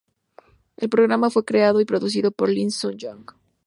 El programa fue creado y producido por Lee Seon-young.